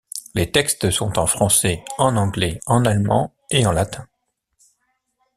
Les textes sont en français, en anglais, en allemand et en latin.